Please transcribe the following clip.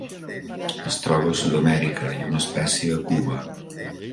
Es troba a Sud-amèrica i una espècie a Cuba.